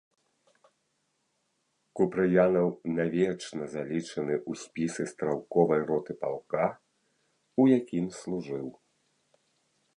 Купрыянаў навечна залічаны ў спісы стралковай роты палка, у якім служыў.